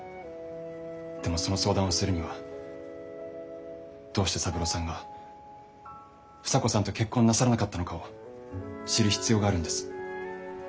でもその相談をするにはどうして三郎さんが房子さんと結婚なさらなかったのかを知る必要があるんです。